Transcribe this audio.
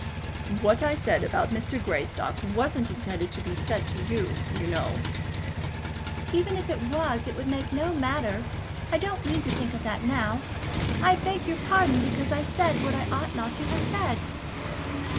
"What I said about Mr. Greystock wasn't intended to be said to you, you know." "Even if it was it would make no matter. I don't mean to think of that now. I beg your pardon because I said what I ought not to have said."